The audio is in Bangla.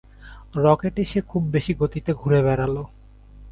রকেটে সে খুব বেশি গতিতে ঘুরে বেড়াল।